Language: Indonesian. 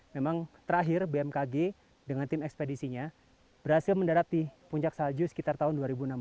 memang terakhir bmkg dengan tim ekspedisinya berhasil mendarat di puncak salju sekitar tahun dua ribu enam belas